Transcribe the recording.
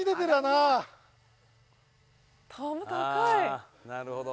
あなるほど。